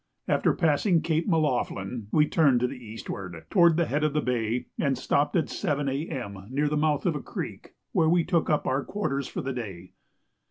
After passing Cape M'Loughlin we turned to the eastward, toward the head of the bay, and stopped at 7 A.M. near the mouth of a creek, where we took up our quarters for the day.